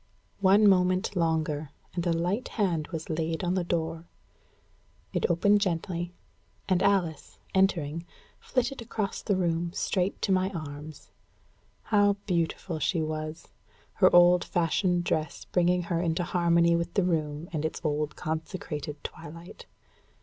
One moment longer, and a light hand was laid on the door. It opened gently, and Alice, entering, flitted across the room straight to my arms. How beautiful she was! her old fashioned dress bringing her into harmony with the room and its old consecrated twilight!